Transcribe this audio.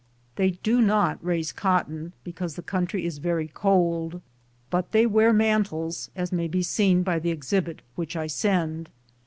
They do not raise cotton, because the coun try is very cold, but they wear mantles, as may be seen by the exhibit which I send.